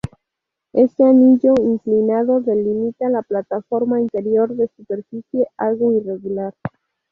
Este anillo inclinado delimita la plataforma interior, de superficie algo irregular.